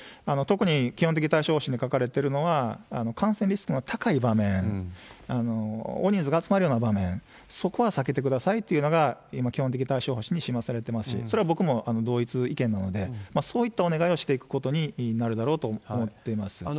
特に基本的対処方針に書かれてるのは、感染リスクの高い場面、大人数が集まるような場面、そこは避けてくださいっていうのが、今、基本的対処方針に示されてますし、それは僕も同一意見なので、そういったお願いをしていくことになるだろうと思っています。